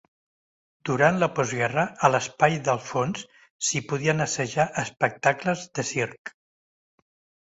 Durant la postguerra a l'espai del fons s'hi podien assajar espectacles de circ.